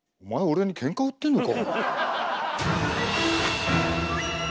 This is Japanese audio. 俺にケンカ売ってんのか！！